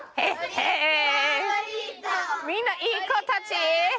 みんないい子たち？